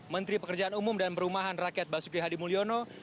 menteri pekerjaan umum dan perumahan rakyat basuki hadi mulyono